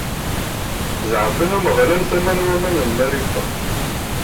Zeɛfen Ameɣlal tama n waman n Mariba.